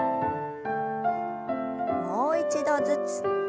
もう一度ずつ。